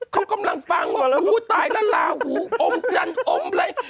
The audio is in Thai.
เขากำลังฟังว่าปูตายและลาหูอมจันอมไหล้